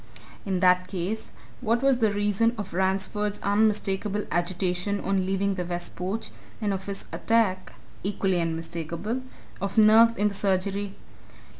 In that case, what was the reason of Ransford's unmistakable agitation on leaving the west porch, and of his attack equally unmistakable of nerves in the surgery?